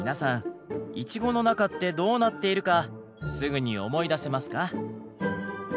イチゴの中ってどうなっているかすぐに思い出せますか？